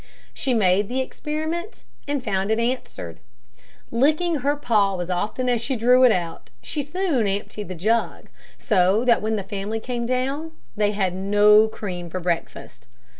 She made the experiment, and found it answer. Licking her paw as often as she drew it out, she soon emptied the jug, so that when the family came down they had no cream for breakfast.